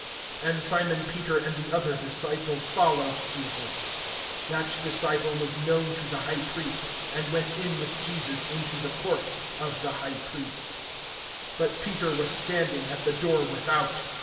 (15)And Simon Peter and the other disciple followed Jesus. That disciple was known to the high priest, and went in with Jesus into the court of the high priest. (16)But Peter was standing at the door without.